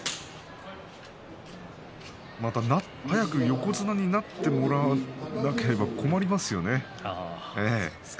また早く横綱になってもらわなければ困りますよね。